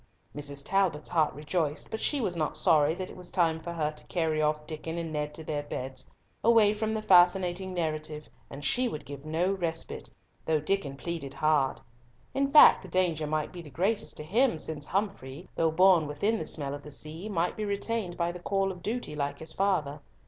Mrs. Talbot's heart rejoiced, but she was not sorry that it was time for her to carry off Diccon and Ned to their beds, away from the fascinating narrative, and she would give no respite, though Diccon pleaded hard. In fact, the danger might be the greatest to him, since Humfrey, though born within the smell of the sea, might be retained by the call of duty like his father.